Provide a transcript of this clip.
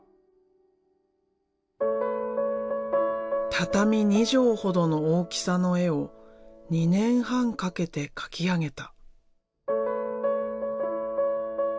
畳２畳ほどの大きさの絵を２年半かけて描き上げた。